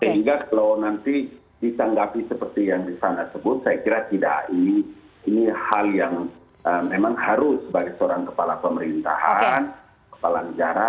sehingga kalau nanti ditanggapi seperti yang di sana sebut saya kira tidak ini hal yang memang harus sebagai seorang kepala pemerintahan kepala negara